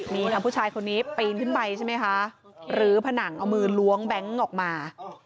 นี่ทางผู้ชายคนนี้ปีนขึ้นไปใช่ไหมคะหรือผนังเอามือล้วงแบงค์ออกมา